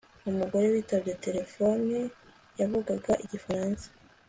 Umugore witabye terefone yavugaga igifaransa